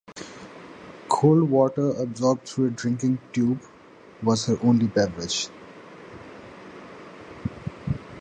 Cold water, absorbed through a drinking tube, was her only beverage.